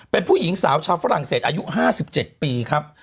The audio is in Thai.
เป็นผู้หญิงสาวชาวฝรั่งเศสอายุ๕๗ปีครับ